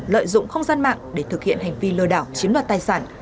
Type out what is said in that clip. lợi dụng không gian mạng để thực hiện hành vi lừa đảo chiếm đoạt tài sản